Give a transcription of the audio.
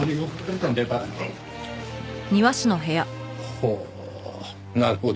ほうなるほど。